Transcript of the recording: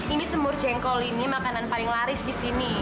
ini semur jengkol ini makanan paling laris di sini